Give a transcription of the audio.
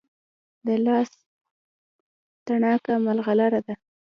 د لاس تڼاکه ملغلره ده.